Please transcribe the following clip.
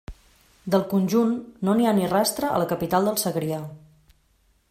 Del conjunt, no n’hi ha ni rastre a la capital del Segrià.